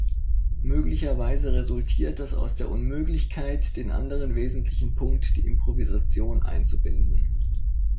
Möglicherweise resultiert das aus der Unmöglichkeit, den anderen wesentlichen Punkt, die Improvisation, einzubinden.